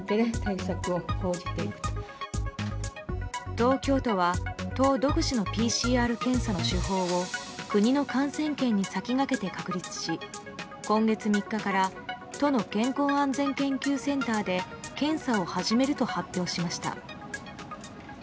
東京都は都独自のＰＣＲ検査の手法を国の感染研に先駆けて確立し今月３日から都の健康安全研究センターで検査を始めると発表しました。